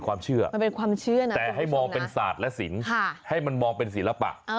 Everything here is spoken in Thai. แต่ให้มองเป็นศาสตร์และสินให้มองเป็นศิลปะ